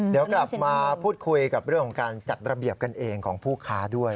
เดี๋ยวกลับมาพูดคุยกับเรื่องของการจัดระเบียบกันเองของผู้ค้าด้วย